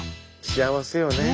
幸せよね。